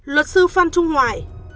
luật sư phan trung hoài